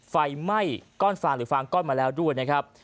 ไฟไหม้ก้อนฟางหรือฟางก้อนมาแล้วด้วยนะครับ